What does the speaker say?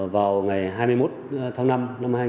vào ngày hai mươi một tháng năm năm hai nghìn hai mươi